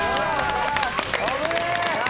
危ねえ！